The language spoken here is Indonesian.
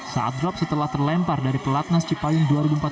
saat drop setelah terlempar dari pelatnas cipayung dua ribu empat belas